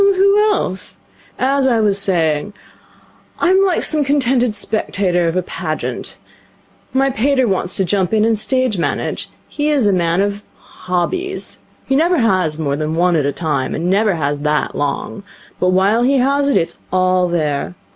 'Who else? As I was saying, I am like some contented spectator of a Pageant. My pater wants to jump in and stage manage. He is a man of hobbies. He never has more than one at a time, and he never has that long. But while he has it, it's all there.